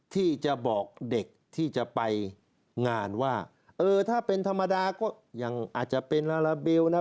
ที่จะบอกเด็กที่จะไปงานว่าเออถ้าเป็นธรรมดาก็ยังอาจจะเป็นลาลาเบลนะ